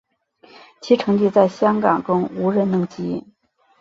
其成绩在香港中无人能及。